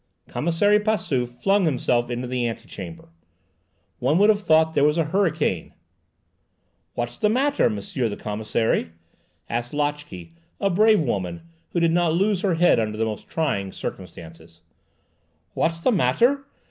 Commissary Passauf flung himself into the antechamber. One would have thought there was a hurricane. "What's the matter, Monsieur the commissary?" asked Lotchè, a brave woman, who did not lose her head under the most trying circumstances. "What's the matter!"